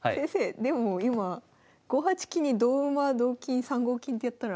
でも今５八金に同馬同金３五金ってやったら。